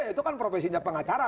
itu kan profesinya pengacara